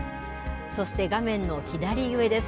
そして画面の左上です。